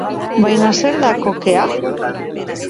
Baina zer da kokea?